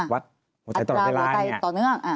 วัดหัวใจต่อเวลาอย่างนี้อ่ะอัตราหัวใจต่อเนื่อง